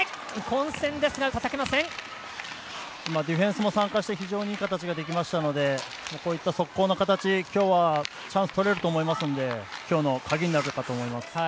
ディフェンスも参加して非常にいい形ができたのでこういった速攻の形きょうはチャンスとれると思いますのできょうの鍵になるかと思います。